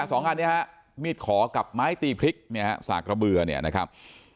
สองอันนี้ฮะมีดขอกับไม้ตีพริกเนี่ยฮะสากระเบือเนี่ยนะครับ